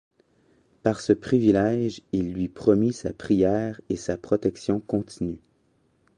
Par ce privilège, il lui promit sa prière et sa protection continue.